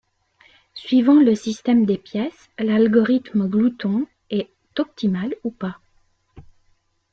Suivant le système de pièces, l'algorithme glouton est optimal ou pas.